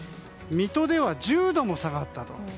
水戸では１０度も下がったと。